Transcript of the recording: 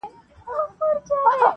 بس چي کله قاضي راسي د شپې کورته,